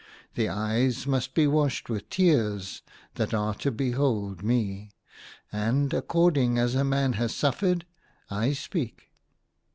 The eyes must be washed with tears that are to behold me ; and, according as a man has suf fered, I speak."